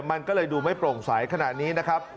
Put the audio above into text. มันก็เลยดูไม่โปร่งใสขนาดนี้นะครับ